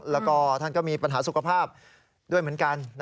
แล้วก็ท่านก็มีปัญหาสุขภาพด้วยเหมือนกัน